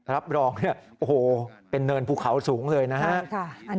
รับรองเนี่ยโอ้โหเป็นเนินภูเขาสูงเลยนะครับ